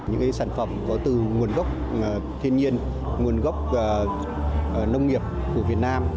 những sản phẩm có từ nguồn gốc thiên nhiên nguồn gốc nông nghiệp của việt nam